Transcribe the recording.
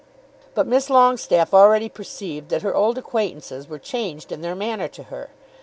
But Miss Longestaffe already perceived that her old acquaintances were changed in their manner to her.